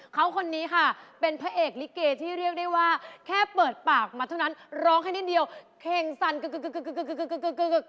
เขาคนนี้ค่ะเป็นพระเอกลิเกที่เรียกได้ว่าแค่เปิดปากมาเท่านั้นร้องแค่นิดเดียวเข่งสั่นกึก